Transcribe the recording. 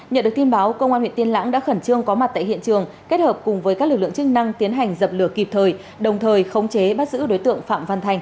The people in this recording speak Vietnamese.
nhận được tin báo công an huyện tiên lãng đã khẩn trương có mặt tại hiện trường kết hợp cùng với các lực lượng chức năng tiến hành dập lửa kịp thời đồng thời khống chế bắt giữ đối tượng phạm văn thành